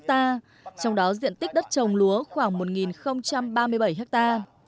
trong đó diện tích đất trồng lúa khoảng một ba mươi bảy ha